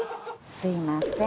すいません。